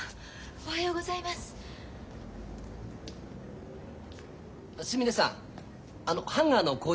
おはようございます。